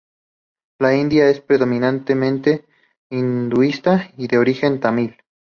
La india es predominantemente hinduista y de origen tamil.